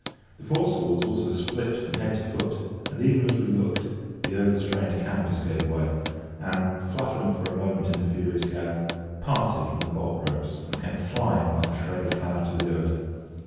The foresail was also split from head to foot; and, even as we looked, the overstrained canvas gave way, and, fluttering for a moment in the furious gale, parted from the bolt ropes, and came flying like a shred of cloud to leeward.